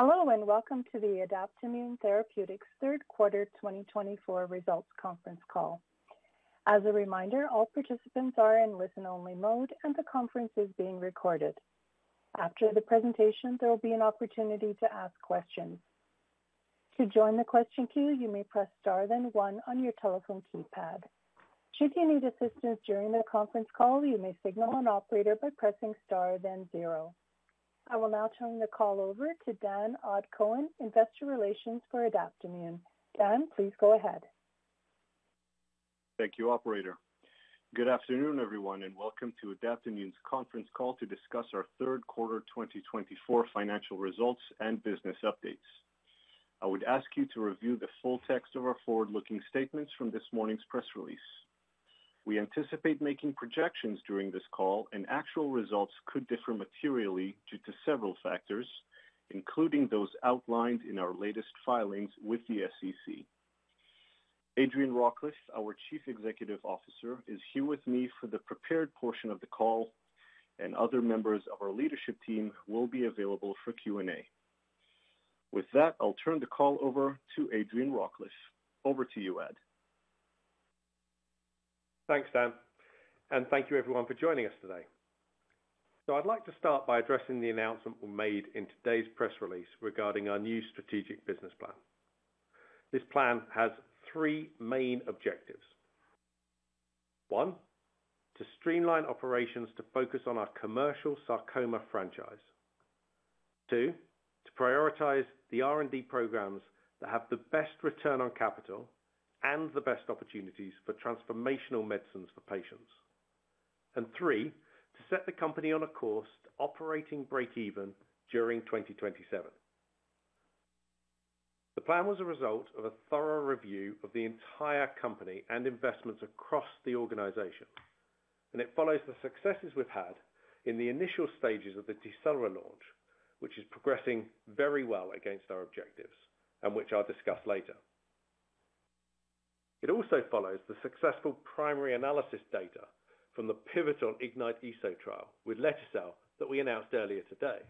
Hello, and welcome to the Adaptimmune Therapeutics Q3 2024 results conference call. As a reminder, all participants are in listen-only mode, and the conference is being recorded. After the presentation, there will be an opportunity to ask questions. To join the question queue, you may press star then one on your telephone keypad. Should you need assistance during the conference call, you may signal an operator by pressing star then zero. I will now turn the call over to Dan Cohen, Investor Relations for Adaptimmune. Dan, please go ahead. Thank you, Operator. Good afternoon, everyone, and welcome to Adaptimmune's conference call to discuss our Q3 2024 financial results and business updates. I would ask you to review the full text of our forward-looking statements from this morning's press release. We anticipate making projections during this call, and actual results could differ materially due to several factors, including those outlined in our latest filings with the SEC. Adrian Rawcliffe, our Chief Executive Officer, is here with me for the prepared portion of the call, and other members of our leadership team will be available for Q&A. With that, I'll turn the call over to Adrian Rawcliffe. Over to you, Ad. Thanks, Dan, and thank you, everyone, for joining us today, so I'd like to start by addressing the announcement we made in today's press release regarding our new strategic business plan. This plan has three main objectives. One, to streamline operations to focus on our commercial sarcoma franchise. Two, to prioritize the R&D programs that have the best return on capital and the best opportunities for transformational medicines for patients. And three, to set the company on a course to operating break-even during 2027. The plan was a result of a thorough review of the entire company and investments across the organization, and it follows the successes we've had in the initial stages of the Tecelra launch, which is progressing very well against our objectives and which I'll discuss later. It also follows the successful primary analysis data from the pivotal IGNYTE-ESO trial with lete-cel that we announced earlier today.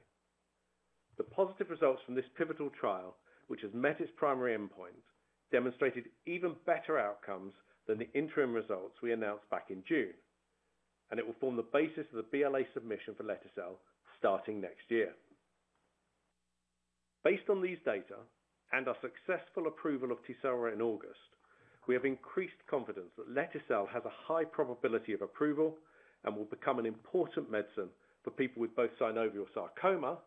The positive results from this pivotal trial, which has met its primary endpoint, demonstrated even better outcomes than the interim results we announced back in June, and it will form the basis of the BLA submission for lete-cel starting next year. Based on these data and our successful approval of Tecelra in August, we have increased confidence that lete-cel has a high probability of approval and will become an important medicine for people with both synovial sarcoma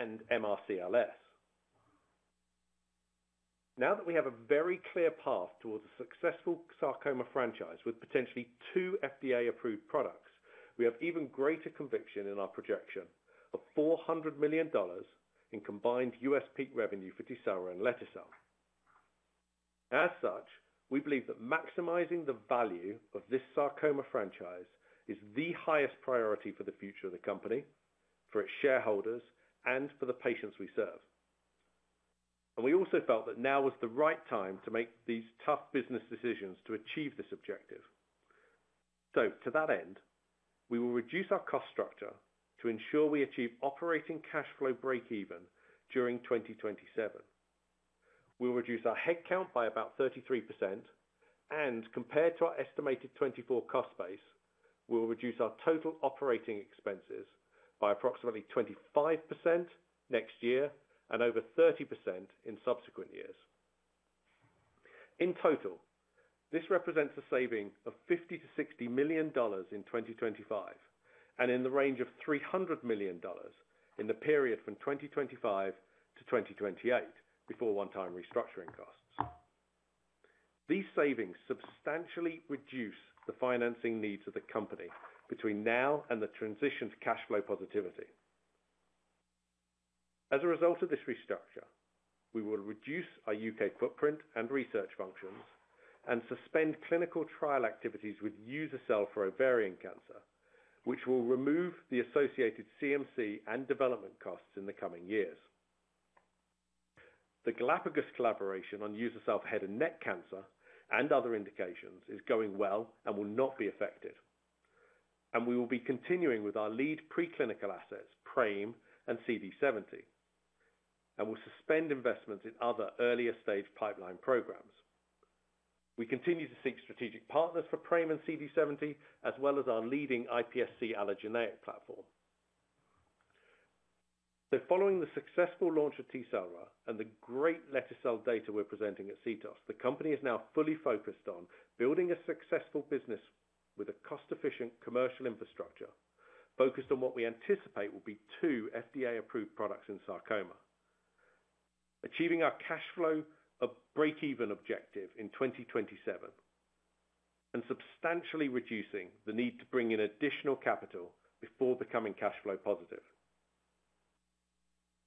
and MRCLS. Now that we have a very clear path towards a successful sarcoma franchise with potentially two FDA-approved products, we have even greater conviction in our projection of $400 million in combined U.S. peak revenue for Tecelra and lete-cel. As such, we believe that maximizing the value of this sarcoma franchise is the highest priority for the future of the company, for its shareholders, and for the patients we serve. And we also felt that now was the right time to make these tough business decisions to achieve this objective. So to that end, we will reduce our cost structure to ensure we achieve operating cash flow break-even during 2027. We'll reduce our headcount by about 33%, and compared to our estimated 2024 cost base, we'll reduce our total operating expenses by approximately 25% next year and over 30% in subsequent years. In total, this represents a saving of $50 million-$60 million in 2025 and in the range of $300 million in the period from 2025 to 2028 before one-time restructuring costs. These savings substantially reduce the financing needs of the company between now and the transition to cash flow positivity. As a result of this restructure, we will reduce our U.K. footprint and research functions and suspend clinical trial activities with uza-cel for ovarian cancer, which will remove the associated CMC and development costs in the coming years. The Galapagos collaboration on uza-cel for head and neck cancer and other indications is going well and will not be affected, and we will be continuing with our lead preclinical assets, PRAME and CD70, and will suspend investments in other earlier stage pipeline programs. We continue to seek strategic partners for PRAME and CD70, as well as our leading IPSC allogeneic platform. Following the successful launch of Tecelra and the great lete-cel data we're presenting at CTOS, the company is now fully focused on building a successful business with a cost-efficient commercial infrastructure focused on what we anticipate will be two FDA-approved products in sarcoma, achieving our cash flow break-even objective in 2027 and substantially reducing the need to bring in additional capital before becoming cash flow positive.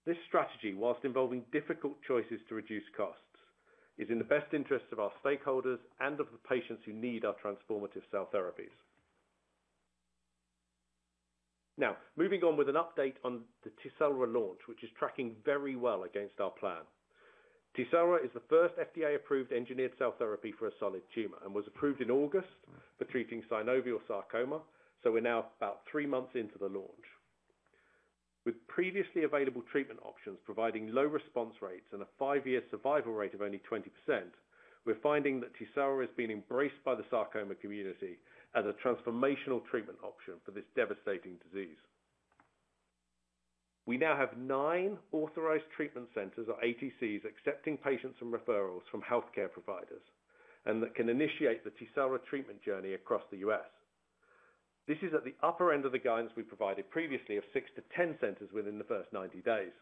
This strategy, whilst involving difficult choices to reduce costs, is in the best interests of our stakeholders and of the patients who need our transformative cell therapies. Now, moving on with an update on the Tecelra launch, which is tracking very well against our plan. Tecelra is the first FDA-approved engineered cell therapy for a solid tumor and was approved in August for treating synovial sarcoma, so we're now about three months into the launch. With previously available treatment options providing low response rates and a five-year survival rate of only 20%, we're finding that Tecelra is being embraced by the sarcoma community as a transformational treatment option for this devastating disease. We now have nine authorized treatment centers or ATCs accepting patients and referrals from healthcare providers and that can initiate the Tecelra treatment journey across the U.S. This is at the upper end of the guidance we provided previously of 6 to 10 centers within the first 90 days.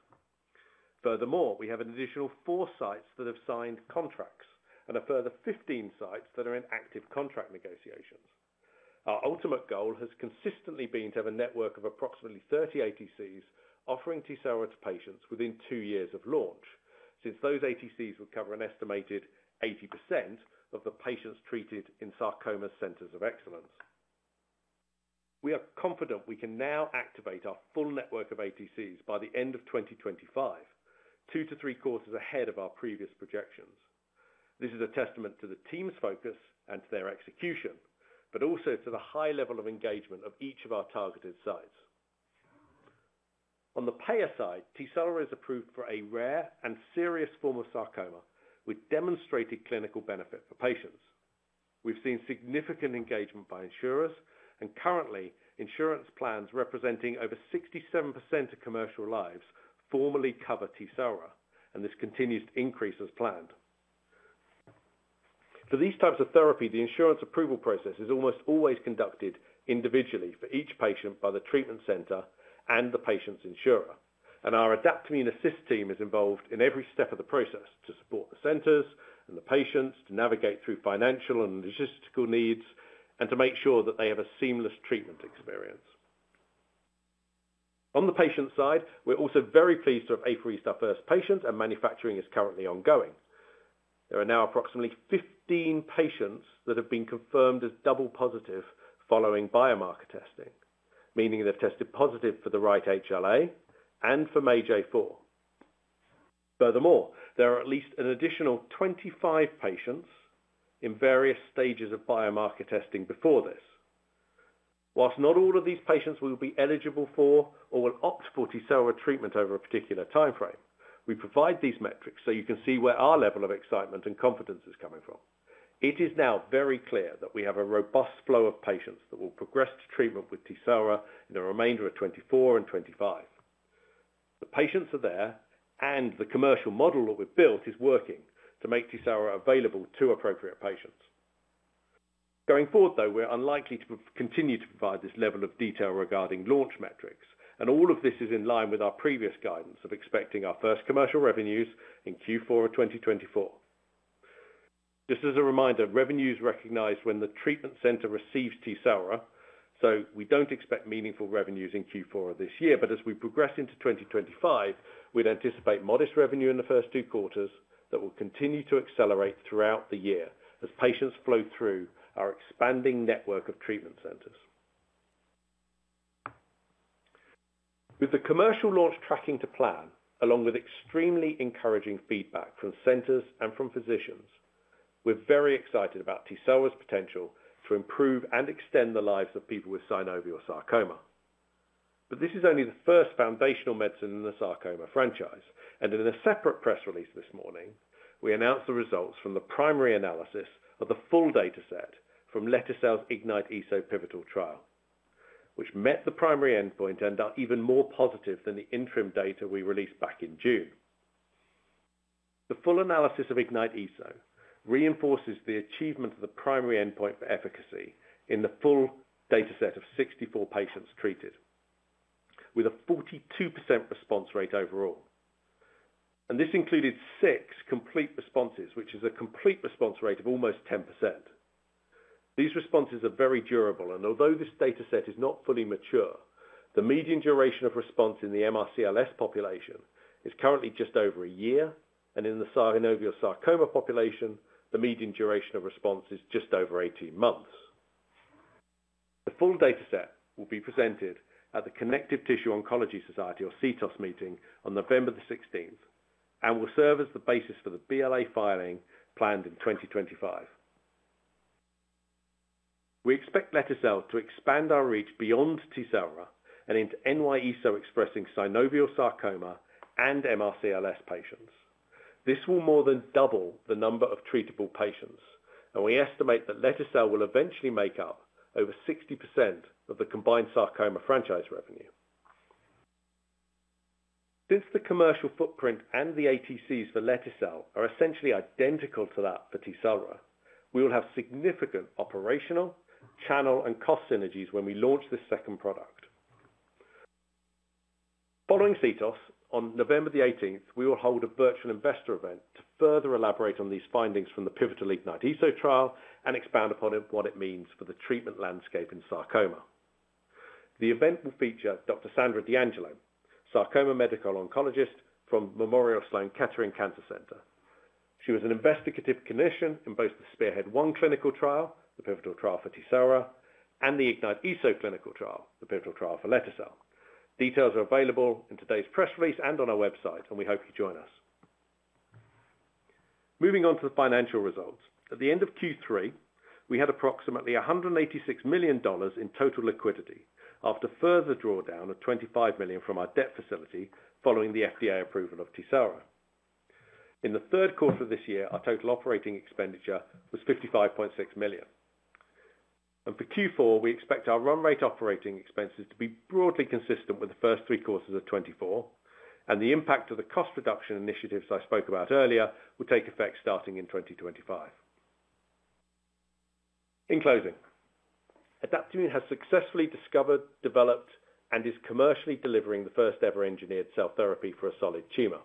Furthermore, we have an additional four sites that have signed contracts and a further 15 sites that are in active contract negotiations. Our ultimate goal has consistently been to have a network of approximately 30 ATCs offering Tecelra to patients within two years of launch, since those ATCs would cover an estimated 80% of the patients treated in sarcoma centers of excellence. We are confident we can now activate our full network of ATCs by the end of 2025, two to three quarters ahead of our previous projections. This is a testament to the team's focus and to their execution, but also to the high level of engagement of each of our targeted sites. On the payer side, Tecelra is approved for a rare and serious form of sarcoma with demonstrated clinical benefit for patients. We've seen significant engagement by insurers, and currently, insurance plans representing over 67% of commercial lives formally cover Tecelra, and this continues to increase as planned. For these types of therapy, the insurance approval process is almost always conducted individually for each patient by the treatment center and the patient's insurer, and our Adaptimmune Assist team is involved in every step of the process to support the centers and the patients to navigate through financial and logistical needs and to make sure that they have a seamless treatment experience. On the patient side, we're also very pleased to have apheresed our first patients, and manufacturing is currently ongoing. There are now approximately 15 patients that have been confirmed as double positive following biomarker testing, meaning they've tested positive for the right HLA and for MAGE-A4. Furthermore, there are at least an additional 25 patients in various stages of biomarker testing before this. While not all of these patients will be eligible for or will opt for Tecelra treatment over a particular time frame, we provide these metrics so you can see where our level of excitement and confidence is coming from. It is now very clear that we have a robust flow of patients that will progress to treatment with Tecelra in the remainder of 2024 and 2025. The patients are there, and the commercial model that we've built is working to make Tecelra available to appropriate patients. Going forward, though, we're unlikely to continue to provide this level of detail regarding launch metrics, and all of this is in line with our previous guidance of expecting our first commercial revenues in Q4 of 2024. Just as a reminder, revenues recognized when the treatment center receives Tecelra, so we don't expect meaningful revenues in Q4 of this year, but as we progress into 2025, we'd anticipate modest revenue in the first two quarters that will continue to accelerate throughout the year as patients flow through our expanding network of treatment centers. With the commercial launch tracking to plan, along with extremely encouraging feedback from centers and from physicians, we're very excited about Tecelra's potential to improve and extend the lives of people with synovial sarcoma. But this is only the first foundational medicine in the sarcoma franchise, and in a separate press release this morning, we announced the results from the primary analysis of the full data set from lete-cel's IGNYTE-ESO pivotal trial, which met the primary endpoint and are even more positive than the interim data we released back in June. The full analysis of IGNYTE-ESO reinforces the achievement of the primary endpoint for efficacy in the full data set of 64 patients treated, with a 42% response rate overall, and this included six complete responses, which is a complete response rate of almost 10%. These responses are very durable, and although this data set is not fully mature, the median duration of response in the MRCLS population is currently just over a year, and in the synovial sarcoma population, the median duration of response is just over 18 months. The full data set will be presented at the Connective Tissue Oncology Society, or CTOS, meeting on November the 16th and will serve as the basis for the BLA filing planned in 2025. We expect lete-cel to expand our reach beyond Tecelra and into NY-ESO-1 expressing synovial sarcoma and MRCLS patients. This will more than double the number of treatable patients, and we estimate that lete-cel will eventually make up over 60% of the combined sarcoma franchise revenue. Since the commercial footprint and the ATCs for lete-cel are essentially identical to that for Tecelra, we will have significant operational, channel, and cost synergies when we launch this second product. Following CTOS, on November the 18th, we will hold a virtual investor event to further elaborate on these findings from the pivotal IGNYTE-ESO trial and expound upon what it means for the treatment landscape in sarcoma. The event will feature Dr. Sandra D'Angelo, sarcoma medical oncologist from Memorial Sloan Kettering Cancer Center. She was an investigator in both the SPEARHEAD-1 clinical trial, the pivotal trial for Tecelra, and the IGNYTE-ESO clinical trial, the pivotal trial for lete-cel. Details are available in today's press release and on our website, and we hope you join us. Moving on to the financial results. At the end of Q3, we had approximately $186 million in total liquidity after further drawdown of $25 million from our debt facility following the FDA approval of Tecelra. In the Q3 of this year, our total operating expenditure was $55.6 million, and for Q4, we expect our run rate operating expenses to be broadly consistent with the first three quarters of 2024, and the impact of the cost reduction initiatives I spoke about earlier will take effect starting in 2025. In closing, Adaptimmune has successfully discovered, developed, and is commercially delivering the first-ever engineered cell therapy for a solid tumor,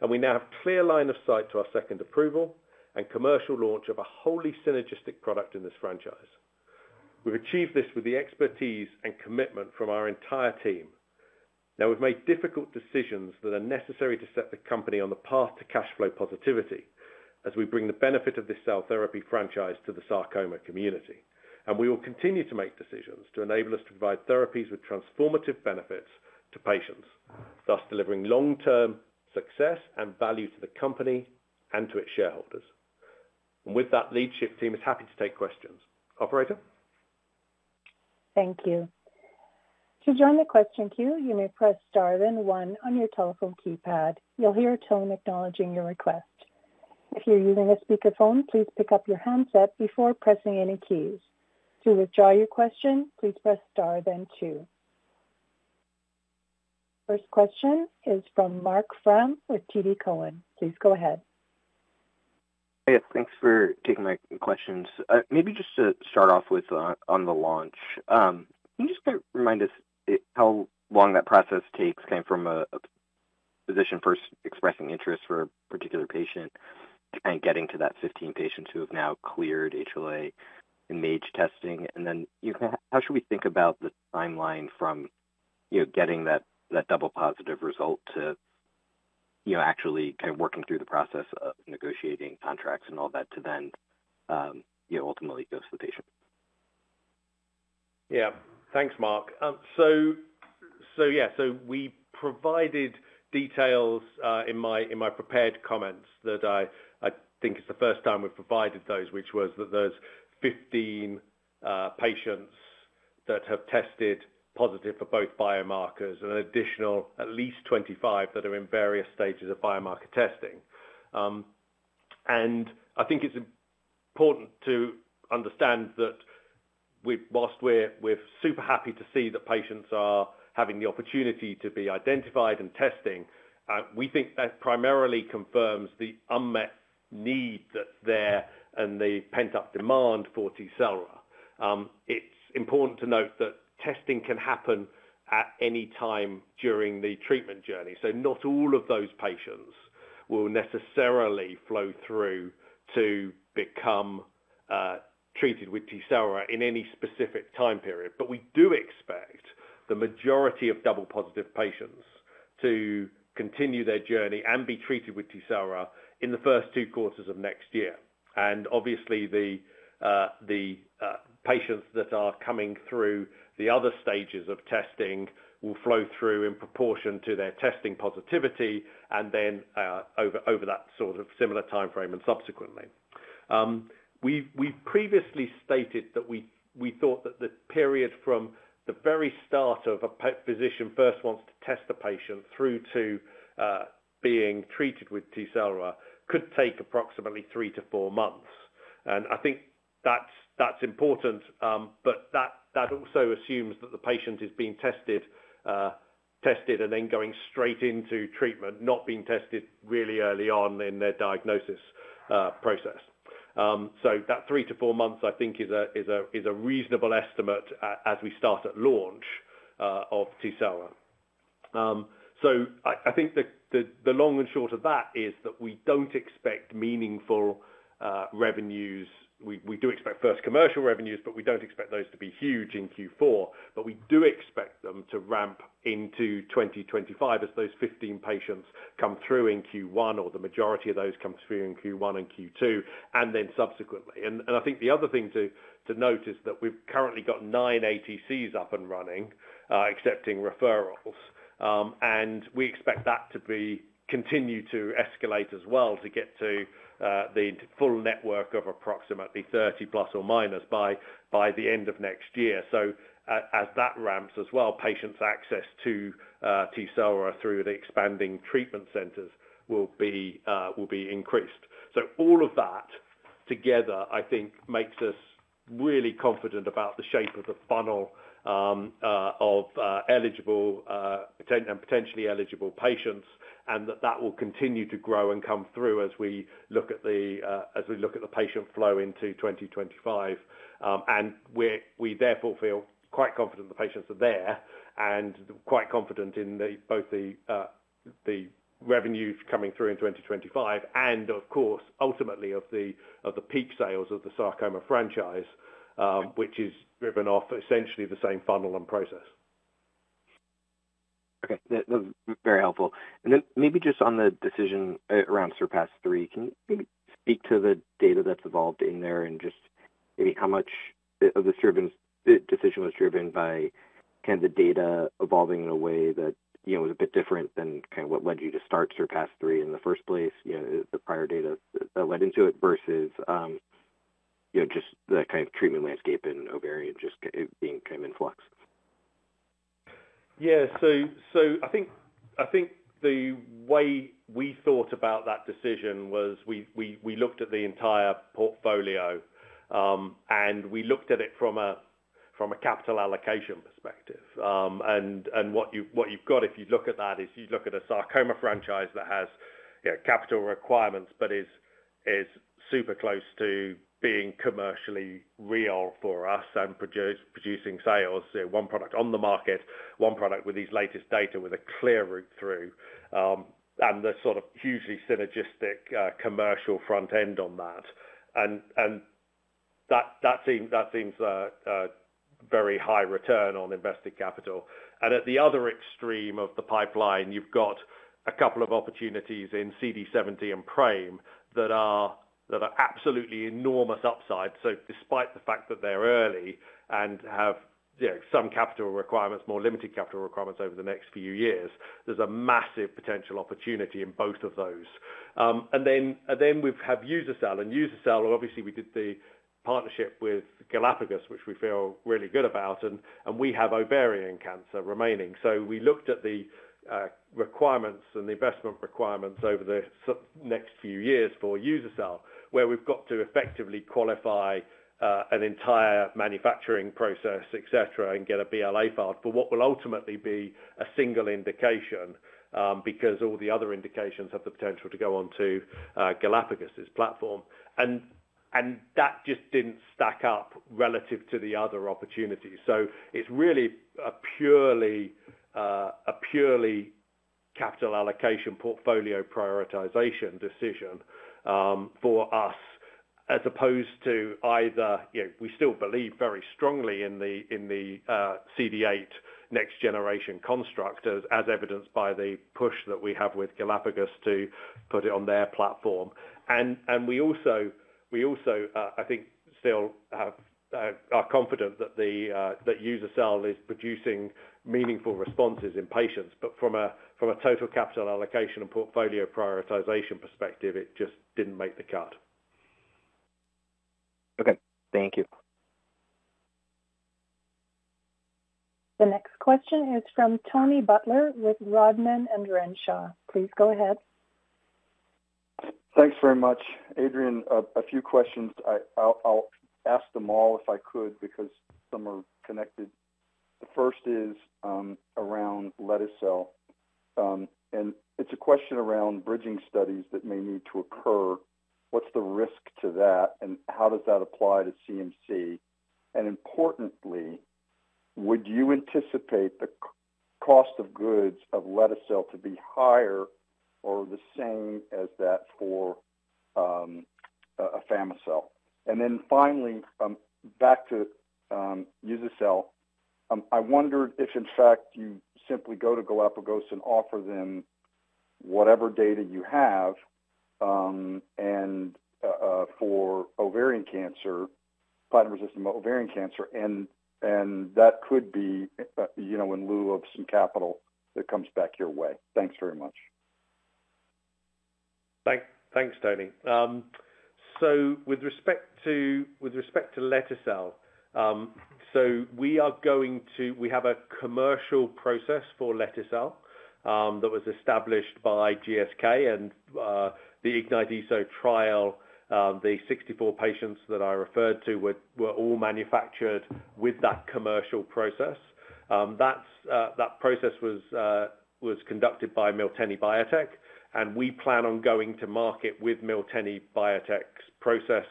and we now have a clear line of sight to our second approval and commercial launch of a wholly synergistic product in this franchise. We've achieved this with the expertise and commitment from our entire team. Now, we've made difficult decisions that are necessary to set the company on the path to cash flow positivity as we bring the benefit of this cell therapy franchise to the sarcoma community, and we will continue to make decisions to enable us to provide therapies with transformative benefits to patients, thus delivering long-term success and value to the company and to its shareholders. And with that, the leadership team is happy to take questions. Operator? Thank you. To join the question queue, you may press star then one on your telephone keypad. You'll hear a tone acknowledging your request. If you're using a speakerphone, please pick up your handset before pressing any keys. To withdraw your question, please press star then two. First question is from Marc Frahm with TD Cowen. Please go ahead. Hi, yes. Thanks for taking my questions. Maybe just to start off with on the launch, can you just remind us how long that process takes kind of from a physician first expressing interest for a particular patient to kind of getting to that 15 patients who have now cleared HLA and MAGE testing? And then how should we think about the timeline from getting that double positive result to actually kind of working through the process of negotiating contracts and all that to then ultimately go to the patient? Yeah. Thanks, Marc. So yeah, so we provided details in my prepared comments that I think it's the first time we've provided those, which was that there's 15 patients that have tested positive for both biomarkers and an additional at least 25 that are in various stages of biomarker testing. I think it's important to understand that while we're super happy to see that patients are having the opportunity to be identified and testing, we think that primarily confirms the unmet need that's there and the pent-up demand for Tecelra. It's important to note that testing can happen at any time during the treatment journey, so not all of those patients will necessarily flow through to become treated with Tecelra in any specific time period. But we do expect the majority of double positive patients to continue their journey and be treated with Tecelra in the first two quarters of next year. And obviously, the patients that are coming through the other stages of testing will flow through in proportion to their testing positivity and then over that sort of similar time frame and subsequently. We've previously stated that we thought that the period from the very start of a physician first wants to test a patient through to being treated with Tecelra could take approximately three to four months, and I think that's important, but that also assumes that the patient is being tested and then going straight into treatment, not being tested really early on in their diagnosis process, so that three to four months, I think, is a reasonable estimate as we start at launch of Tecelra, so I think the long and short of that is that we don't expect meaningful revenues. We do expect first commercial revenues, but we don't expect those to be huge in Q4, but we do expect them to ramp into 2025 as those 15 patients come through in Q1 or the majority of those come through in Q1 and Q2 and then subsequently. I think the other thing to note is that we've currently got nine ATCs up and running, accepting referrals, and we expect that to continue to escalate as well to get to the full network of approximately 30 plus or minus by the end of next year. So as that ramps as well, patients' access to Tecelra through the expanding treatment centers will be increased. So all of that together, I think, makes us really confident about the shape of the funnel of eligible and potentially eligible patients and that that will continue to grow and come through as we look at the patient flow into 2025. We therefore feel quite confident the patients are there and quite confident in both the revenues coming through in 2025 and, of course, ultimately of the peak sales of the sarcoma franchise, which is driven off essentially the same funnel and process. Okay. That was very helpful. And then maybe just on the decision around SURPASS-3, can you maybe speak to the data that's evolved in there and just maybe how much of the decision was driven by kind of the data evolving in a way that was a bit different than kind of what led you to start SURPASS-3 in the first place, the prior data that led into it versus just the kind of treatment landscape in ovarian just being kind of in flux? Yeah. So I think the way we thought about that decision was we looked at the entire portfolio, and we looked at it from a capital allocation perspective. And what you've got, if you look at that, is you look at a sarcoma franchise that has capital requirements but is super close to being commercially real for us and producing sales, one product on the market, one product with these latest data with a clear route through and the sort of hugely synergistic commercial front end on that. And that seems a very high return on invested capital. And at the other extreme of the pipeline, you've got a couple of opportunities in CD70 and PRAME that are absolutely enormous upside. So despite the fact that they're early and have some capital requirements, more limited capital requirements over the next few years, there's a massive potential opportunity in both of those. And then we have uza-cel, and uza-cel, obviously, we did the partnership with Galapagos, which we feel really good about, and we have ovarian cancer remaining. So we looked at the requirements and the investment requirements over the next few years for uza-cel, where we've got to effectively qualify an entire manufacturing process, etc., and get a BLA filed for what will ultimately be a single indication because all the other indications have the potential to go on to Galapagos, its platform. And that just didn't stack up relative to the other opportunities. So it's really a purely capital allocation portfolio prioritization decision for us as opposed to either we still believe very strongly in the CD8 next generation construct, as evidenced by the push that we have with Galapagos to put it on their platform. And we also, I think, still are confident that uza-cel is producing meaningful responses in patients, but from a total capital allocation and portfolio prioritization perspective, it just didn't make the cut. Okay. Thank you. The next question is from Tony Butler with Rodman & Renshaw. Please go ahead. Thanks very much. Adrian, a few questions. I'll ask them all if I could because some are connected. The first is around lete-cel, and it's a question around bridging studies that may need to occur. What's the risk to that, and how does that apply to CMC? And importantly, would you anticipate the cost of goods of lete-cel to be higher or the same as that for afami-cel? Then finally, back to uza-cel, I wondered if, in fact, you simply go to Galapagos and offer them whatever data you have for ovarian cancer, fighting resistant ovarian cancer, and that could be in lieu of some capital that comes back your way. Thanks very much. Thanks, Tony. With respect to lete-cel, we have a commercial process for lete-cel that was established by GSK, and the IGNYTE-ESO trial, the 64 patients that I referred to were all manufactured with that commercial process. That process was conducted by Miltenyi Biotec, and we plan on going to market with Miltenyi Biotec's process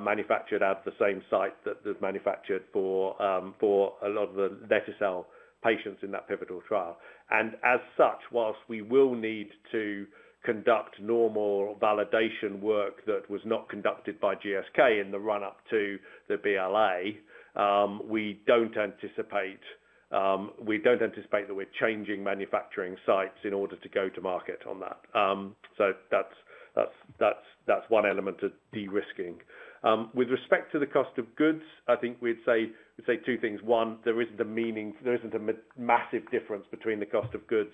manufactured at the same site that was manufactured for a lot of the lete-cel patients in that pivotal trial. As such, while we will need to conduct normal validation work that was not conducted by GSK in the run-up to the BLA, we don't anticipate that we're changing manufacturing sites in order to go to market on that. So that's one element of de-risking. With respect to the cost of goods, I think we'd say two things. One, there isn't a massive difference between the cost of goods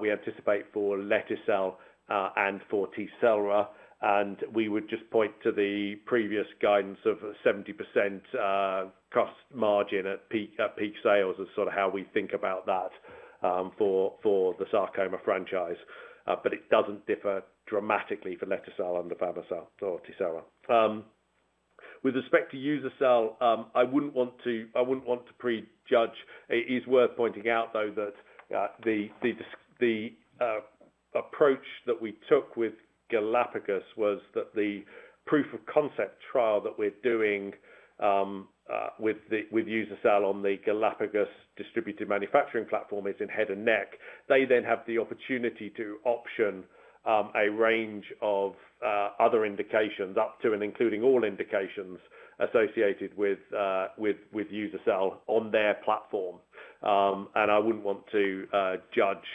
we anticipate for lete-cel and for Tecelra, and we would just point to the previous guidance of 70% cost margin at peak sales as sort of how we think about that for the sarcoma franchise. But it doesn't differ dramatically for lete-cel and the afami-cel or Tecelra. With respect to uza-cel, I wouldn't want to prejudge. It is worth pointing out, though, that the approach that we took with Galapagos was that the proof of concept trial that we're doing with uza-cel on the Galapagos distributed manufacturing platform is in head and neck. They then have the opportunity to option a range of other indications up to and including all indications associated with uza-cel on their platform. And I wouldn't want to judge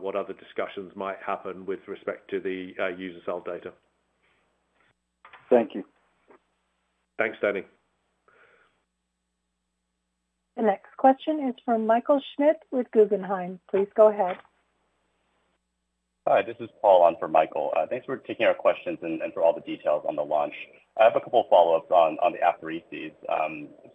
what other discussions might happen with respect to the uza-cel data. Thank you. Thanks, Tony. The next question is from Michael Schmidt with Guggenheim. Please go ahead. Hi, this is Paul on for Michael. Thanks for taking our questions and for all the details on the launch. I have a couple of follow-ups on the aphereses.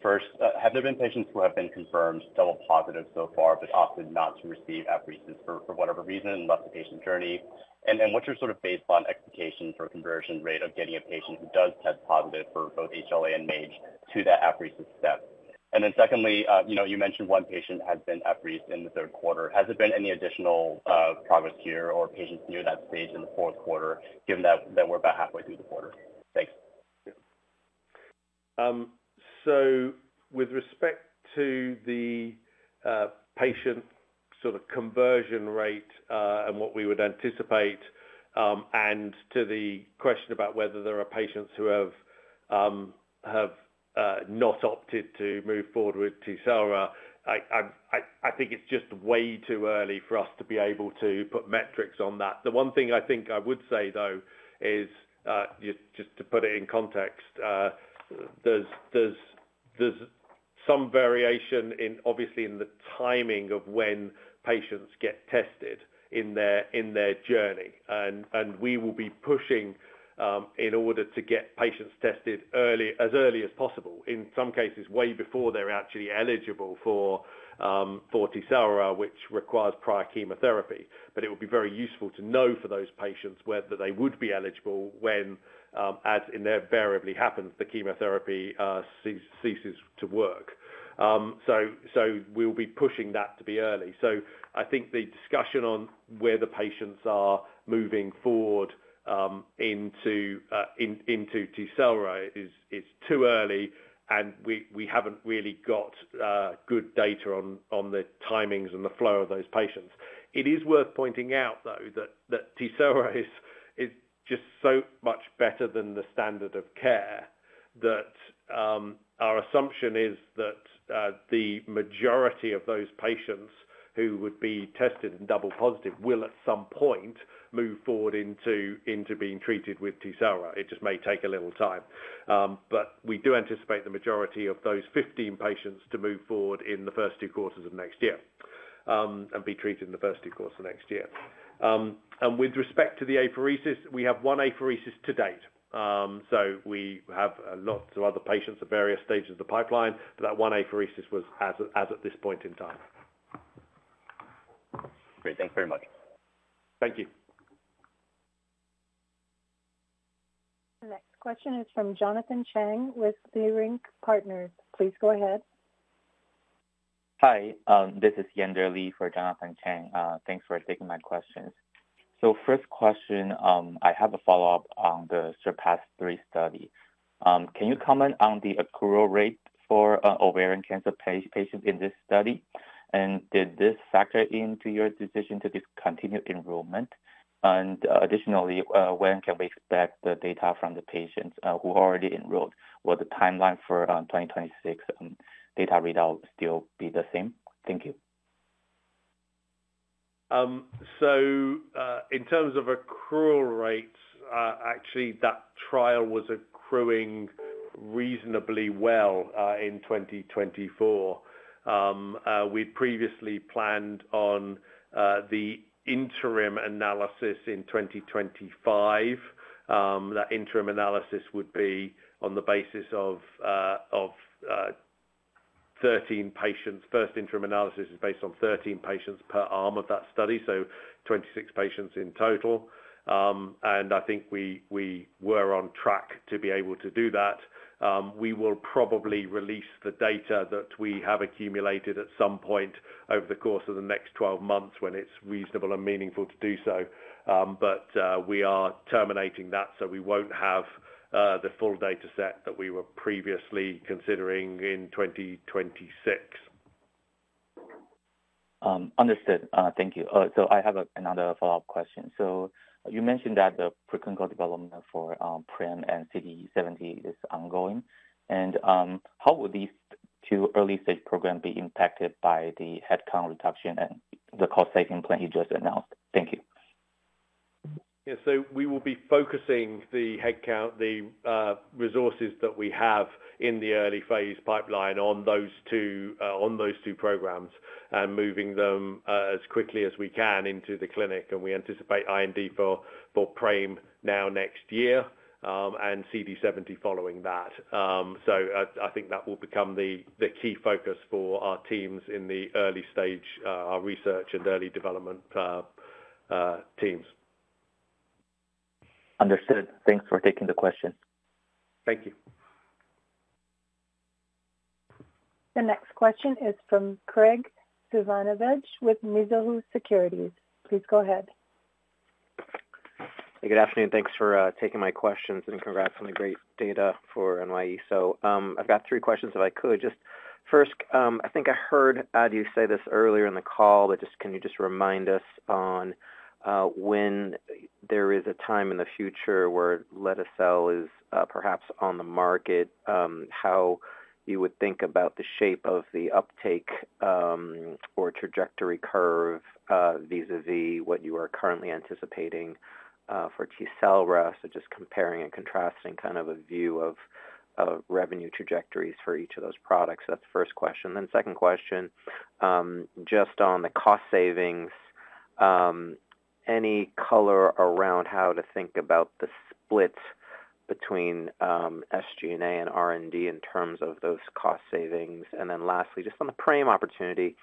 First, have there been patients who have been confirmed double positive so far but opted not to receive apheresis for whatever reason and left the patient journey? And what's your sort of baseline expectation for conversion rate of getting a patient who does test positive for both HLA and MAGE to that apheresis step? And then secondly, you mentioned one patient has been apheresed in the Q3. Has there been any additional progress here or patients near that stage in the fourth quarter, given that we're about halfway through the quarter? Thanks. So with respect to the patient sort of conversion rate and what we would anticipate, and to the question about whether there are patients who have not opted to move forward with Tecelra, I think it's just way too early for us to be able to put metrics on that. The one thing I think I would say, though, is just to put it in context, there's some variation, obviously, in the timing of when patients get tested in their journey. And we will be pushing in order to get patients tested as early as possible, in some cases way before they're actually eligible for Tecelra, which requires prior chemotherapy. But it would be very useful to know for those patients whether they would be eligible when, as it invariably happens, the chemotherapy ceases to work. So we'll be pushing that to be early. So I think the discussion on where the patients are moving forward into Tecelra is too early, and we haven't really got good data on the timings and the flow of those patients. It is worth pointing out, though, that Tecelra is just so much better than the standard of care that our assumption is that the majority of those patients who would be tested and double positive will at some point move forward into being treated with Tecelra. It just may take a little time. But we do anticipate the majority of those 15 patients to move forward in the first two quarters of next year and be treated in the first two quarters of next year. And with respect to the apheresis, we have one apheresis to date. So we have lots of other patients at various stages of the pipeline, but that one apheresis was as at this point in time. Great. Thanks very much. Thank you. The next question is from Jonathan Chang with Leerink Partners. Please go ahead. Hi. This is Yuanzhi Li for Jonathan Chang. Thanks for taking my questions. So first question, I have a follow-up on the SURPASS-3 study. Can you comment on the accrual rate for ovarian cancer patients in this study? And did this factor into your decision to discontinue enrollment? And additionally, when can we expect the data from the patients who are already enrolled? Will the timeline for 2026 data readout still be the same? Thank you. So in terms of accrual rates, actually, that trial was accruing reasonably well in 2024. We'd previously planned on the interim analysis in 2025. That interim analysis would be on the basis of 13 patients. First interim analysis is based on 13 patients per arm of that study, so 26 patients in total. And I think we were on track to be able to do that. We will probably release the data that we have accumulated at some point over the course of the next 12 months when it's reasonable and meaningful to do so. But we are terminating that, so we won't have the full dataset that we were previously considering in 2026. Understood. Thank you. I have another follow-up question. So you mentioned that the preclinical development for PRAME and CD70 is ongoing. And how will these two early-stage programs be impacted by the headcount reduction and the cost-saving plan you just announced? Thank you. Yeah. So we will be focusing the headcount, the resources that we have in the early-phase pipeline on those two programs and moving them as quickly as we can into the clinic. And we anticipate IND for PRAME now next year and CD70 following that. So I think that will become the key focus for our teams in the early-stage, our research and early development teams. Understood. Thanks for taking the question. Thank you. The next question is from Graig Suvannavejh with Mizuho Securities. Please go ahead. Hey, good afternoon. Thanks for taking my questions and congrats on the great data for NY-ESO. So I've got three questions if I could. Just first, I think I heard you say this earlier in the call, but just can you just remind us on when there is a time in the future where lete-cel is perhaps on the market, how you would think about the shape of the uptake or trajectory curve vis-à-vis what you are currently anticipating for Tecelra, so just comparing and contrasting kind of a view of revenue trajectories for each of those products. That's the first question. Then second question, just on the cost savings, any color around how to think about the split between SG&A and R&D in terms of those cost savings? And then lastly, just on the PRAME opportunity,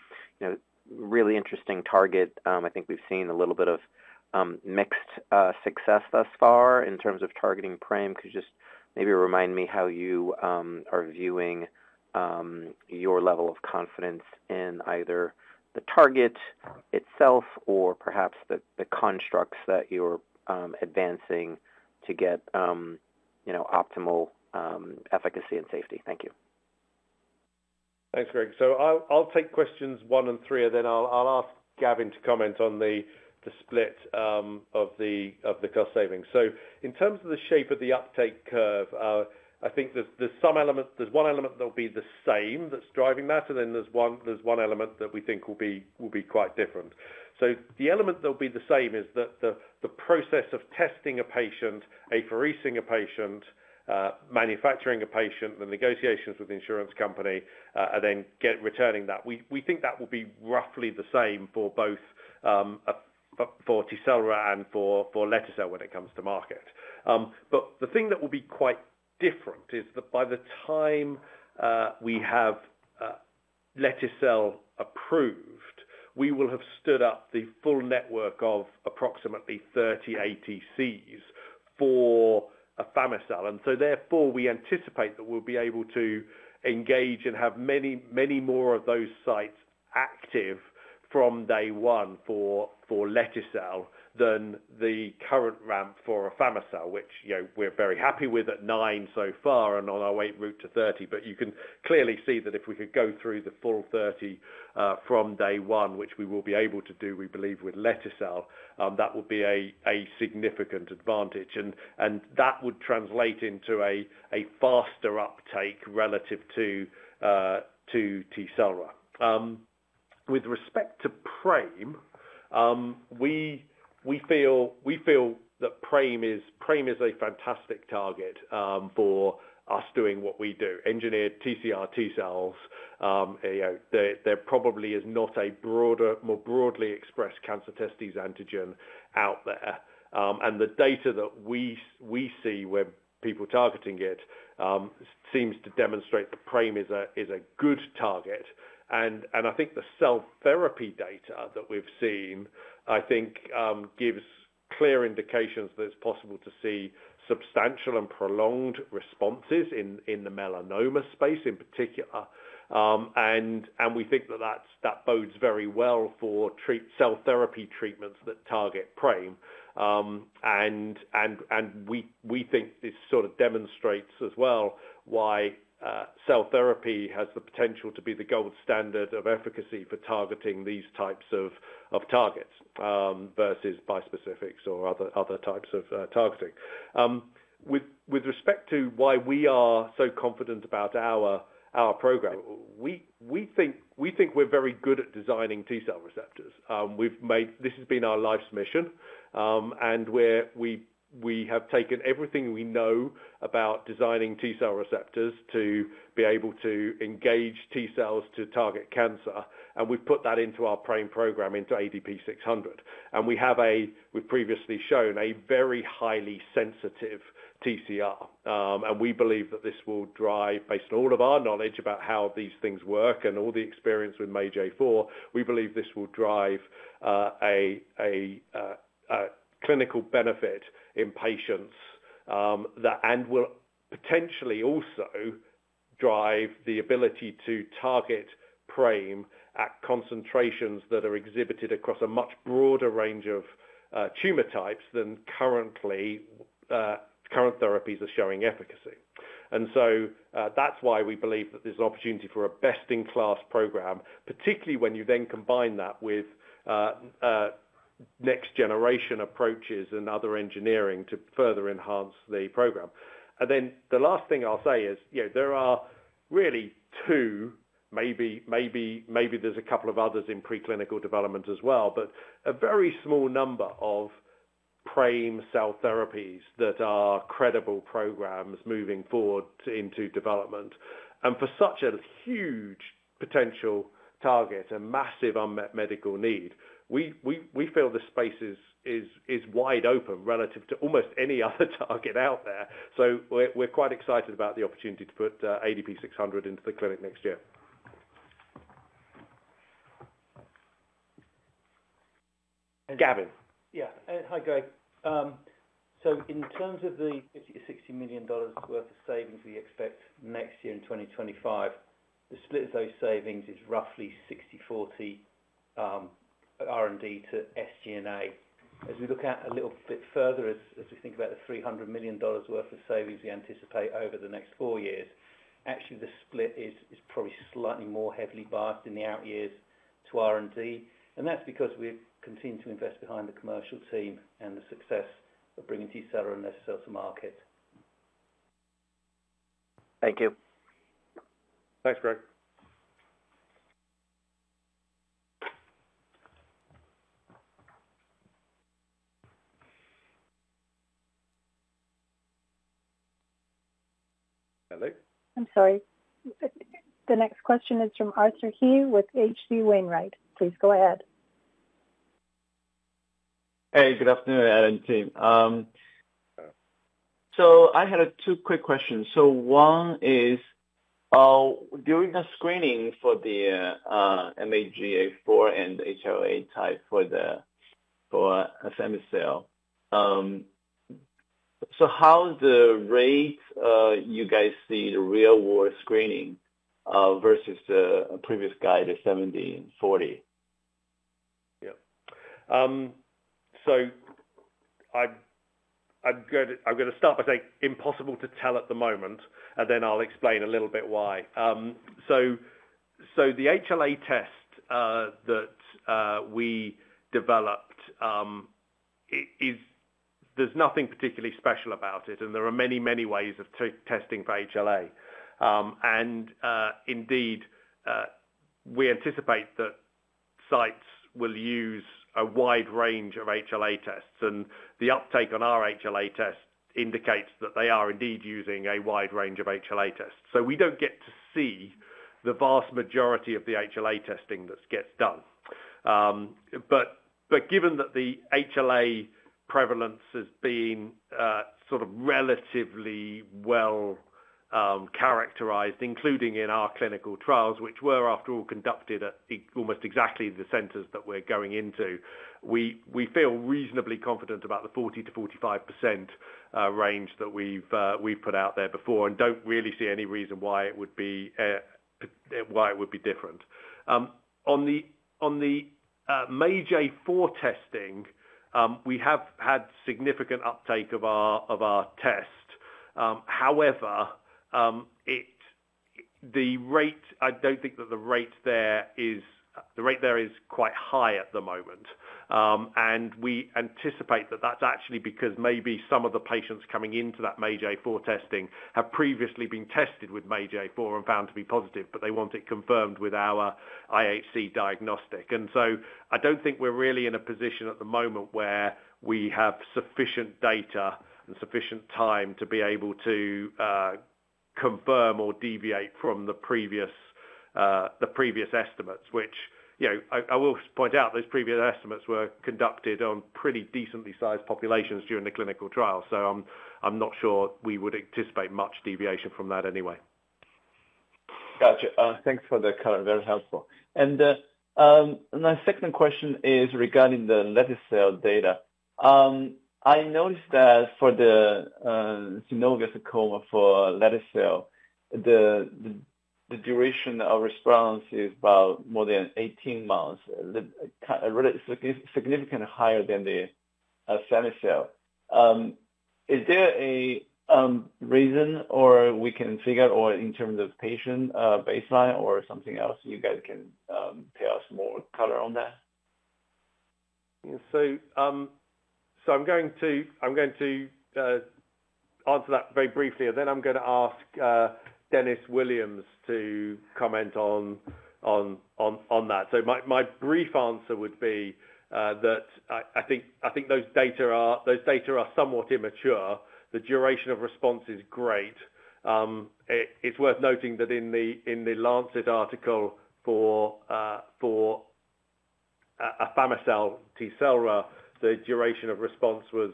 really interesting target. I think we've seen a little bit of mixed success thus far in terms of targeting PRAME. Could you just maybe remind me how you are viewing your level of confidence in either the target itself or perhaps the constructs that you're advancing to get optimal efficacy and safety? Thank you. Thanks, Craig. So I'll take questions one and three, and then I'll ask Gavin to comment on the split of the cost savings. So in terms of the shape of the uptake curve, I think there's one element that will be the same that's driving that, and then there's one element that we think will be quite different. So the element that will be the same is that the process of testing a patient, apheresing a patient, manufacturing a patient, the negotiations with the insurance company, and then returning that. We think that will be roughly the same for both for Tecelra and for lete-cel when it comes to market. But the thing that will be quite different is that by the time we have lete-cel approved, we will have stood up the full network of approximately 30 ATCs for afami-cel. And so therefore, we anticipate that we'll be able to engage and have many more of those sites active from day one for lete-cel than the current ramp for afami-cel, which we're very happy with at nine so far and on our way to 30. But you can clearly see that if we could go through the full 30 from day one, which we will be able to do, we believe, with lete-cel, that would be a significant advantage. And that would translate into a faster uptake relative to Tecelra. With respect to PRAME, we feel that PRAME is a fantastic target for us doing what we do. Engineered TCR T cells, there probably is not a more broadly expressed cancer-testis antigen out there, and the data that we see where people targeting it seems to demonstrate that PRAME is a good target. And I think the cell therapy data that we've seen, I think, gives clear indications that it's possible to see substantial and prolonged responses in the melanoma space in particular, and we think that that bodes very well for cell therapy treatments that target PRAME. And we think this sort of demonstrates as well why cell therapy has the potential to be the gold standard of efficacy for targeting these types of targets versus bispecifics or other types of targeting. With respect to why we are so confident about our program, we think we're very good at designing T-cell receptors. This has been our life's mission, and we have taken everything we know about designing TCR receptors to be able to engage T cells to target cancer, and we've put that into our PRAME program, into ADP-600, and we have, we've previously shown, a very highly sensitive TCR, and we believe that this will drive, based on all of our knowledge about how these things work and all the experience with MAGE-A4, we believe this will drive a clinical benefit in patients and will potentially also drive the ability to target PRAME at concentrations that are exhibited across a much broader range of tumor types than current therapies are showing efficacy, and so that's why we believe that there's an opportunity for a best-in-class program, particularly when you then combine that with next-generation approaches and other engineering to further enhance the program. And then the last thing I'll say is there are really two, maybe there's a couple of others in preclinical development as well, but a very small number of PRAME cell therapies that are credible programs moving forward into development. And for such a huge potential target, a massive unmet medical need, we feel the space is wide open relative to almost any other target out there. So we're quite excited about the opportunity to put ADP-600 into the clinic next year. Gavin. Yeah. Hi, Graig. So in terms of the $60 million worth of savings we expect next year in 2025, the split of those savings is roughly 60/40 R&D to SG&A. As we look a little bit further, as we think about the $300 million worth of savings we anticipate over the next four years, actually the split is probably slightly more heavily biased in the out years to R&D. And that's because we've continued to invest behind the commercial team and the success of bringing Tecelra and Letacel to market. Thank you. Thanks, Graig. Hello? I'm sorry. The next question is from Arthur He with H.C. Wainwright. Please go ahead. Hey, good afternoon, Adaptimmune team. So I had two quick questions. So one is, during the screening for the MAGE-A4 and HLA type for the afami-cel, so how's the rate you guys see the real-world screening versus the previous guide, the 70 and 40? Yeah. So I'm going to start by saying impossible to tell at the moment, and then I'll explain a little bit why. So the HLA test that we developed, there's nothing particularly special about it, and there are many, many ways of testing for HLA. And indeed, we anticipate that sites will use a wide range of HLA tests. And the uptake on our HLA test indicates that they are indeed using a wide range of HLA tests. So we don't get to see the vast majority of the HLA testing that gets done. But given that the HLA prevalence has been sort of relatively well characterized, including in our clinical trials, which were, after all, conducted at almost exactly the centers that we're going into, we feel reasonably confident about the 40%-45% range that we've put out there before and don't really see any reason why it would be different. On the MAGE-A4 testing, we have had significant uptake of our test. However, the rate, I don't think that the rate there is the rate there is quite high at the moment. And we anticipate that that's actually because maybe some of the patients coming into that MAGE-A4 testing have previously been tested with MAGE-A4 and found to be positive, but they want it confirmed with our IHC diagnostic. And so I don't think we're really in a position at the moment where we have sufficient data and sufficient time to be able to confirm or deviate from the previous estimates, which I will point out those previous estimates were conducted on pretty decently sized populations during the clinical trial. So I'm not sure we would anticipate much deviation from that anyway. Gotcha. Thanks for the comment. Very helpful. And my second question is regarding the lete-cel data. I noticed that for the synovial sarcoma for lete-cel, the duration of response is about more than 18 months, significantly higher than the afami-cel. Is there a reason or we can figure out in terms of patient baseline or something else you guys can tell us more color on that? So I'm going to answer that very briefly, and then I'm going to ask Dennis Williams to comment on that. So my brief answer would be that I think those data are somewhat immature. The duration of response is great. It's worth noting that in the Lancet article for afami-cel Tecelra, the duration of response was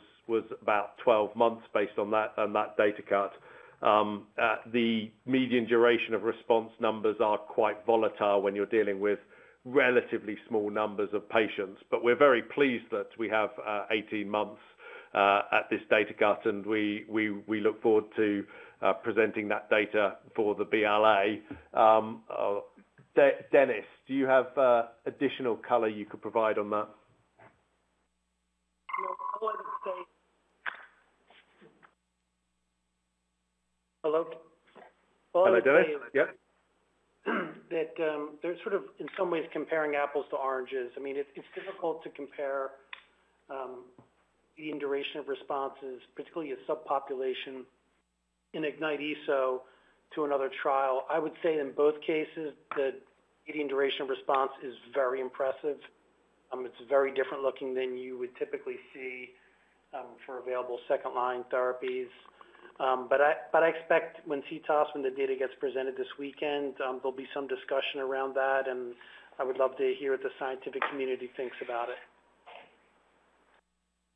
about 12 months based on that data cut. The median duration of response numbers are quite volatile when you're dealing with relatively small numbers of patients. But we're very pleased that we have 18 months at this data cut, and we look forward to presenting that data for the BLA. Dennis, do you have additional color you could provide on that? Hello? Hello, Dennis. Yep. That they're sort of in some ways comparing apples to oranges. I mean, it's difficult to compare the duration of responses, particularly a subpopulation in IGNYTE-ESO to another trial. I would say in both cases, the median duration of response is very impressive. It's very different looking than you would typically see for available second-line therapies. But I expect when CTOS, when the data gets presented this weekend, there'll be some discussion around that, and I would love to hear what the scientific community thinks about it.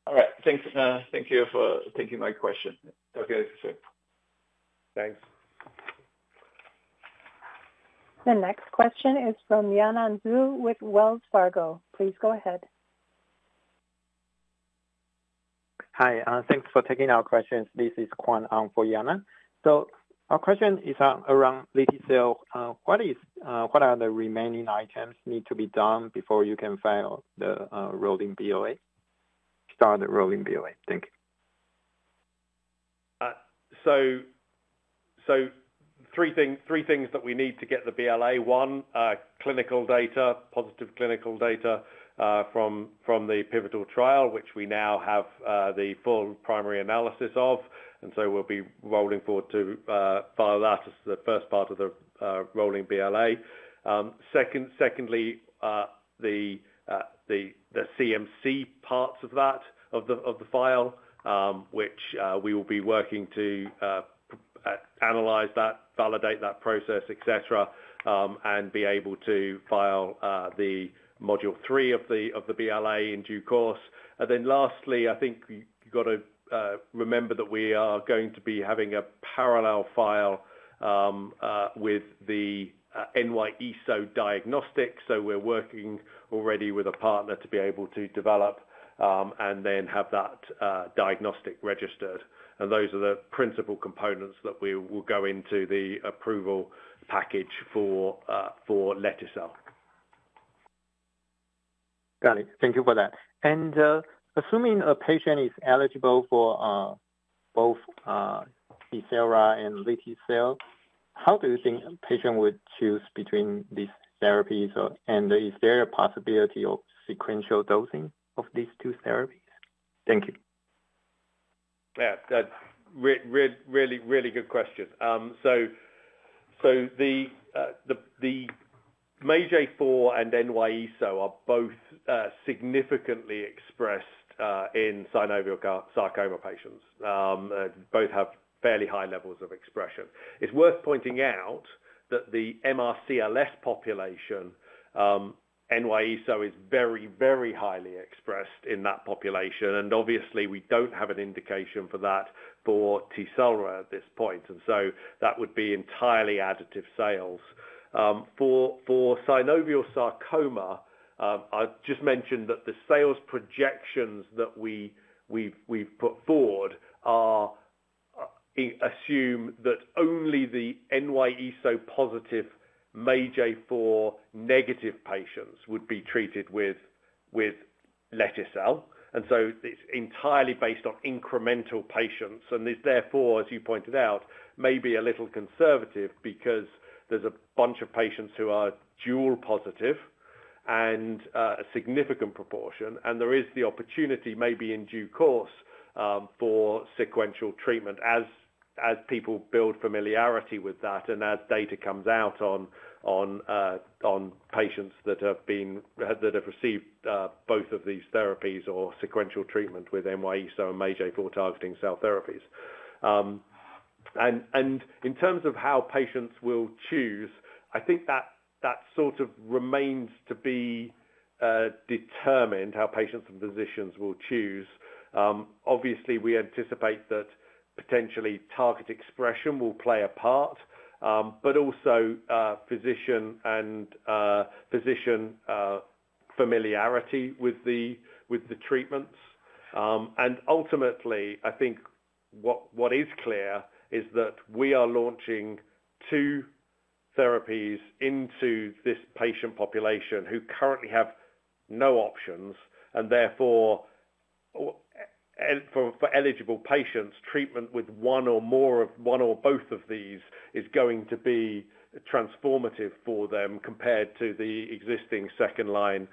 All right. Thank you for taking my question. Okay. Thanks. The next question is from Yana Zhu with Wells Fargo. Please go ahead. Hi. Thanks for taking our questions. This is Quan for Yana. So our question is around lete-cel. What are the remaining items need to be done before you can file the rolling BLA? Start the rolling BLA. Thank you. So three things that we need to get the BLA. One, clinical data, positive clinical data from the pivotal trial, which we now have the full primary analysis of. And so we'll be rolling forward to follow that as the first part of the rolling BLA. Secondly, the CMC parts of that, of the file, which we will be working to analyze that, validate that process, etc., and be able to file the module three of the BLA in due course. And then lastly, I think you've got to remember that we are going to be having a parallel file with the NY-ESO diagnostic. So we're working already with a partner to be able to develop and then have that diagnostic registered. And those are the principal components that we will go into the approval package for lete-cel. Got it. Thank you for that. And assuming a patient is eligible for both Tecelra and lete-cel, how do you think a patient would choose between these therapies? And is there a possibility of sequential dosing of these two therapies? Thank you. Yeah. Really, really good question. So the MAGE-A4 and NY-ESO-1 are both significantly expressed in synovial sarcoma patients. Both have fairly high levels of expression. It's worth pointing out that the MRCLS population, NY-ESO-1 is very, very highly expressed in that population. And obviously, we don't have an indication for that for Tecelra at this point. And so that would be entirely additive sales. For synovial sarcoma, I just mentioned that the sales projections that we've put forward assume that only the NY-ESO positive MAGE-A4 negative patients would be treated with lete-cel. And so it's entirely based on incremental patients. And therefore, as you pointed out, maybe a little conservative because there's a bunch of patients who are dual positive and a significant proportion. And there is the opportunity maybe in due course for sequential treatment as people build familiarity with that and as data comes out on patients that have received both of these therapies or sequential treatment with NY-ESO and MAGE-A4 targeting cell therapies. And in terms of how patients will choose, I think that sort of remains to be determined how patients and physicians will choose. Obviously, we anticipate that potentially target expression will play a part, but also physician and physician familiarity with the treatments. Ultimately, I think what is clear is that we are launching two therapies into this patient population who currently have no options. And therefore, for eligible patients, treatment with one or more of one or both of these is going to be transformative for them compared to the existing second-line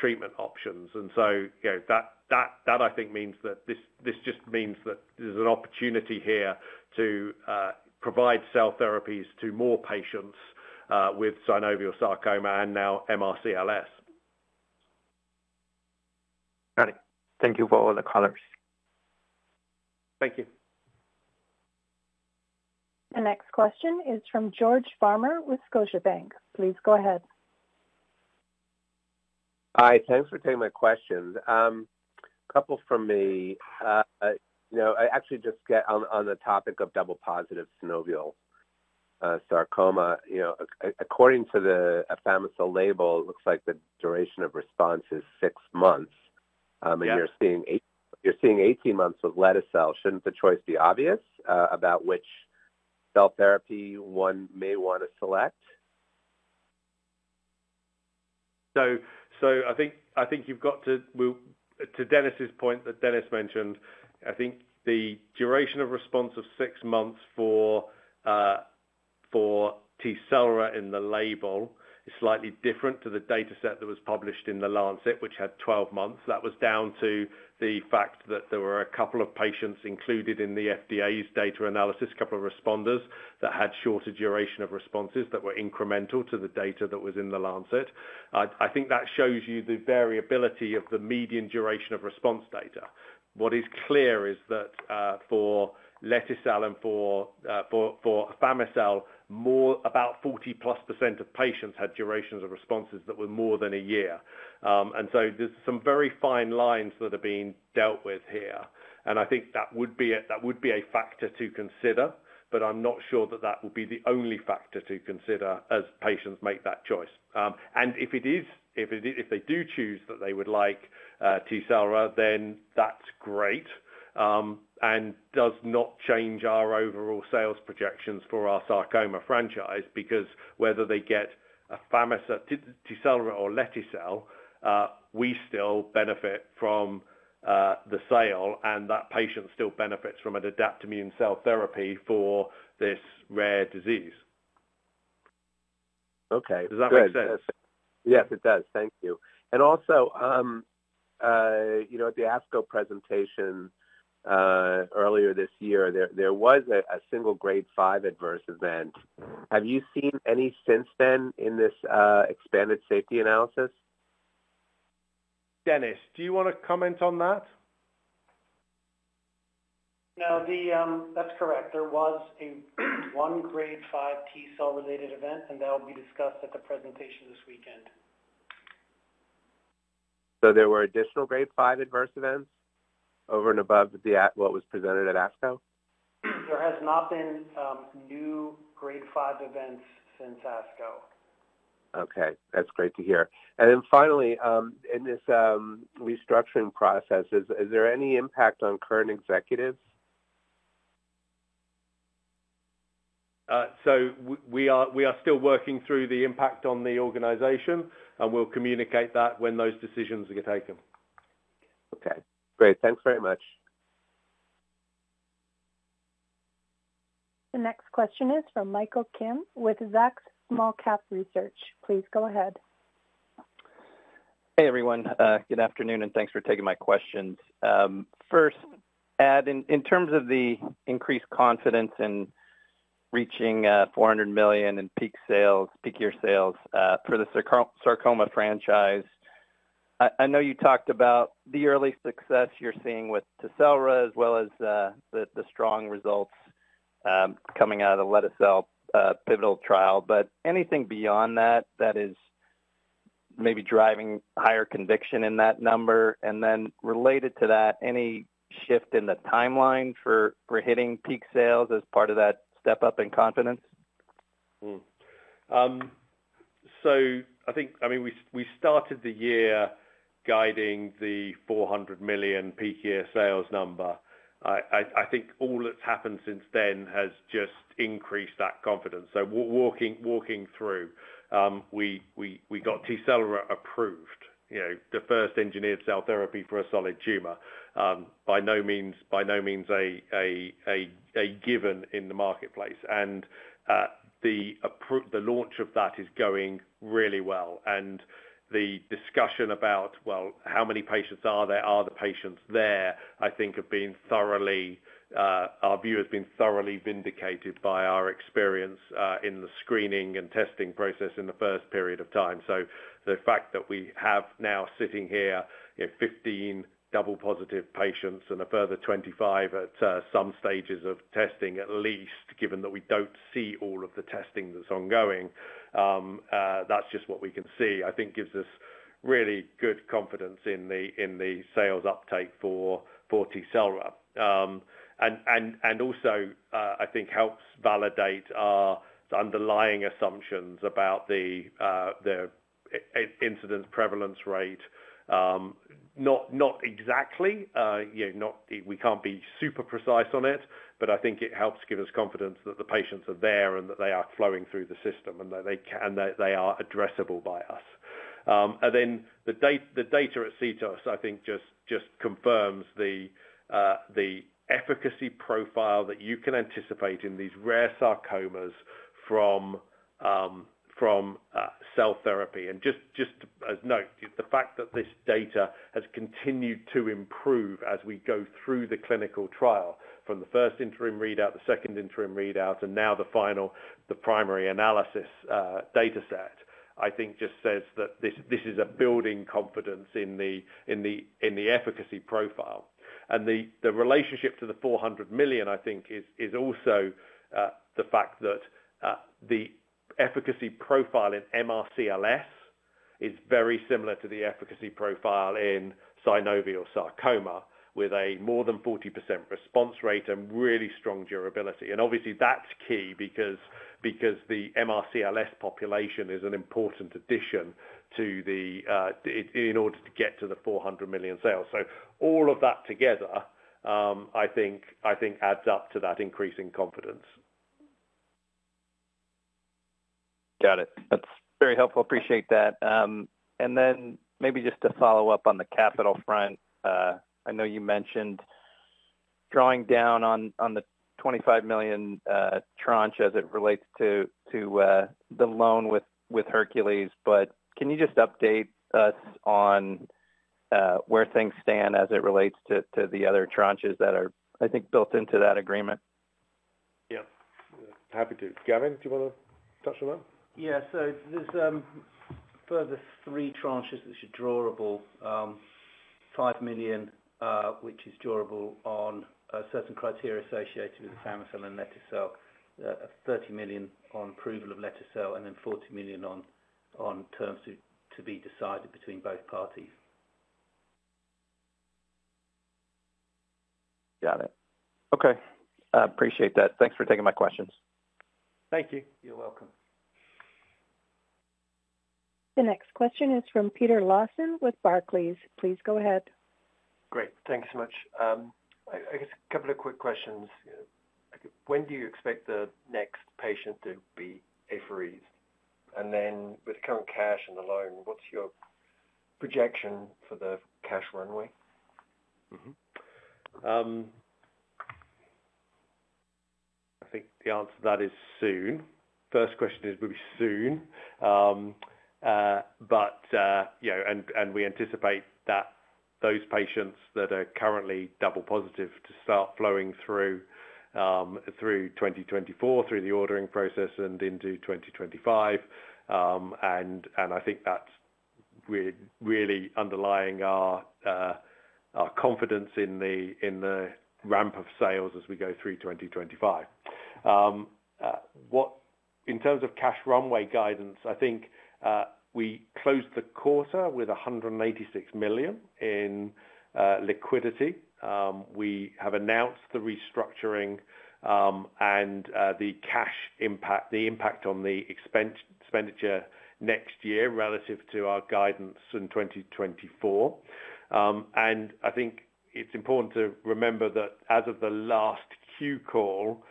treatment options. And so that, I think, means that this just means that there's an opportunity here to provide cell therapies to more patients with synovial sarcoma and now MRCLS. Got it. Thank you for all the colors. Thank you. The next question is from George Farmer with Scotiabank. Please go ahead. Hi. Thanks for taking my question. A couple from me. I actually just get on the topic of double positive synovial sarcoma. According to the afami-cel label, it looks like the duration of response is six months, and you're seeing 18 months with lete-cel. Shouldn't the choice be obvious about which cell therapy one may want to select? So I think you've got to, to Dennis's point that Dennis mentioned, I think the duration of response of six months for Tecelra in the label is slightly different to the data set that was published in The Lancet, which had 12 months. That was down to the fact that there were a couple of patients included in the FDA's data analysis, a couple of responders that had shorter duration of responses that were incremental to the data that was in The Lancet. I think that shows you the variability of the median duration of response data. What is clear is that for lete-cel and for afami-cel, about 40+% of patients had durations of responses that were more than a year, and so there's some very fine lines that are being dealt with here. And I think that would be a factor to consider, but I'm not sure that that will be the only factor to consider as patients make that choice. And if it is, if they do choose that they would like Tecelra, then that's great and does not change our overall sales projections for our sarcoma franchise because whether they get afami-cel, Tecelra, or lete-cel, we still benefit from the sale, and that patient still benefits from an Adaptimmune cell therapy for this rare disease. Okay. Does that make sense? Yes, it does. Thank you. And also, at the ASCO presentation earlier this year, there was a single grade 5 adverse event. Have you seen any since then in this expanded safety analysis? Dennis, do you want to comment on that? No, that's correct. There was one Grade 5 Tecelra related event, and that will be discussed at the presentation this weekend. So there were additional Grade 5 adverse events over and above what was presented at ASCO? There has not been new Grade 5 events since ASCO. Okay. That's great to hear. And then finally, in this restructuring process, is there any impact on current executives? So we are still working through the impact on the organization, and we'll communicate that when those decisions are taken. Okay. Great. Thanks very much. The next question is from Michael Kim with Zacks Small-Cap Research. Please go ahead. Hey, everyone. Good afternoon, and thanks for taking my questions. First, in terms of the increased confidence in reaching $400 million in peak sales, peak year sales for the sarcoma franchise, I know you talked about the early success you're seeing with Tecelra as well as the strong results coming out of the lete-cel pivotal trial. But anything beyond that that is maybe driving higher conviction in that number? And then related to that, any shift in the timeline for hitting peak sales as part of that step up in confidence? So I think, I mean, we started the year guiding the $400 million peak year sales number. I think all that's happened since then has just increased that confidence. So walking through, we got Tecelra approved, the first engineered cell therapy for a solid tumor, by no means a given in the marketplace. And the launch of that is going really well. The discussion about, well, how many patients are there? Are the patients there? I think our view has been thoroughly vindicated by our experience in the screening and testing process in the first period of time. So the fact that we have now sitting here 15 double positive patients and a further 25 at some stages of testing, at least, given that we don't see all of the testing that's ongoing, that's just what we can see, I think gives us really good confidence in the sales uptake for Tecelra. And also, I think helps validate our underlying assumptions about the incidence prevalence rate. Not exactly. We can't be super precise on it, but I think it helps give us confidence that the patients are there and that they are flowing through the system and that they are addressable by us. And then the data at CTOS, I think, just confirms the efficacy profile that you can anticipate in these rare sarcomas from cell therapy. And just as a note, the fact that this data has continued to improve as we go through the clinical trial from the first interim readout, the second interim readout, and now the final, the primary analysis data set, I think just says that this is a building confidence in the efficacy profile. And the relationship to the $400 million, I think, is also the fact that the efficacy profile in MRCLS is very similar to the efficacy profile in synovial sarcoma with a more than 40% response rate and really strong durability. And obviously, that's key because the MRCLS population is an important addition in order to get to the $400 million sales. So all of that together, I think, adds up to that increasing confidence. Got it. That's very helpful. Appreciate that. And then maybe just to follow up on the capital front, I know you mentioned drawing down on the $25 million tranche as it relates to the loan with Hercules, but can you just update us on where things stand as it relates to the other tranches that are, I think, built into that agreement? Yep. Happy to. Gavin, do you want to touch on that? Yeah. So there's further three tranches that are drawable: $5 million, which is drawable on certain criteria associated with the afami-cel and lete-cel; $30 million on approval of lete-cel; and then $40 million on terms to be decided between both parties. Got it. Okay. Appreciate that. Thanks for taking my questions. Thank you. You're welcome. The next question is from Peter Lawson with Barclays. Please go ahead. Great. Thank you so much. I guess a couple of quick questions. When do you expect the next patient to be apheresis? And then with the current cash and the loan, what's your projection for the cash runway? I think the answer to that is soon. First question is, it will be soon. But we anticipate that those patients that are currently double positive to start flowing through 2024, through the ordering process and into 2025. And I think that's really underlying our confidence in the ramp of sales as we go through 2025. In terms of cash runway guidance, I think we closed the quarter with $186 million in liquidity. We have announced the restructuring and the cash impact on the expenditure next year relative to our guidance in 2024. I think it's important to remember that as of the last Q call,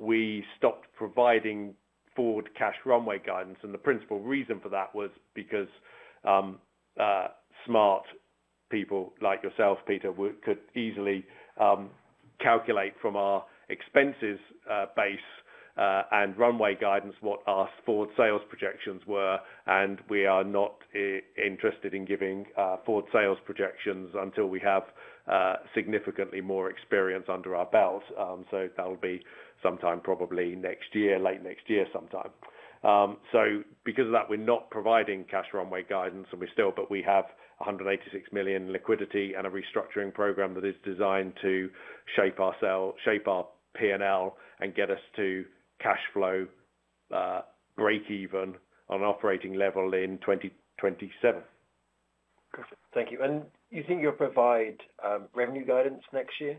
we stopped providing forward cash runway guidance. And the principal reason for that was because smart people like yourself, Peter, could easily calculate from our expenses base and runway guidance what our forward sales projections were. And we are not interested in giving forward sales projections until we have significantly more experience under our belt. So that will be sometime probably next year, late next year sometime. So because of that, we're not providing cash runway guidance, and we still, but we have $186 million in liquidity and a restructuring program that is designed to shape our P&L and get us to cash flow break even on an operating level in 2027. Gotcha. Thank you. And you think you'll provide revenue guidance next year?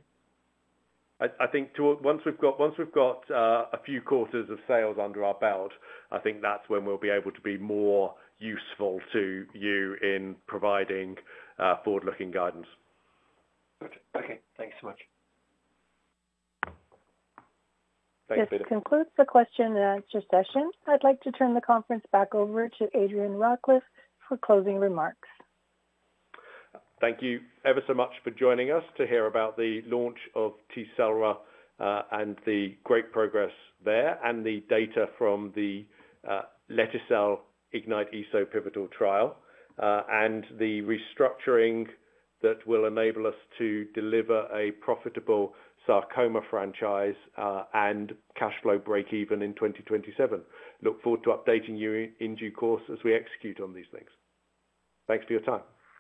I think once we've got a few quarters of sales under our belt, I think that's when we'll be able to be more useful to you in providing forward-looking guidance. Gotcha. Okay. Thanks so much. Thanks, Peter. This concludes the question and answer session. I'd like to turn the conference back over to Adrian Rawcliffe for closing remarks. Thank you ever so much for joining us to hear about the launch of Tecelra and the great progress there and the data from the lete-cel IGNYTE-ESO pivotal trial and the restructuring that will enable us to deliver a profitable sarcoma franchise and cash flow break even in 2027. Look forward to updating you in due course as we execute on these things. Thanks for your time.